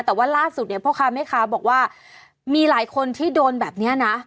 แต่ว่าล่าสุดเนี่ยพ่อค้าแม่ค้าบอกว่ามีหลายคนที่โดนแบบนี้นะ